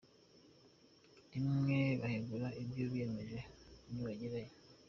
rimwe bahigura ibyo biyemeje nibagera